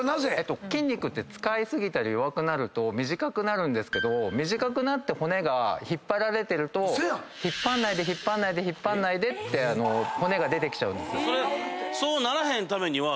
筋肉って使い過ぎたり弱くなると短くなるんですけど短くなって骨が引っ張られると引っ張んないで引っ張んないでって骨が出てきちゃうんです。